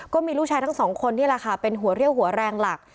ก็มีลูกชายทั้งสองคนนี่แหละค่ะเป็นหัวเรี่ยวหัวแรงหลัก